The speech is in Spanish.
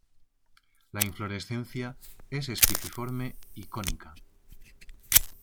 La inflorescencia es espiciforme y cónica.